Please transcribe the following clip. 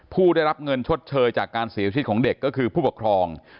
ผู้ได้รับเงินชดเชยจากการเสียชีวิตของเด็กก็คือผู้ปกครอง